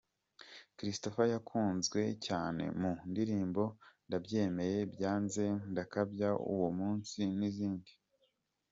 Christopher yakunzwe cyane mu ndirimbo “Ndabyemeye”, “Byanze”, “Ndakabya”, “Uwo munsi” n’izindi.